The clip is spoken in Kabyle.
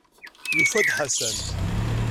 Yufa-d Ḥasan.